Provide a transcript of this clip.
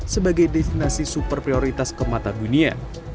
sebagai destinasi super prioritas ke mata dunia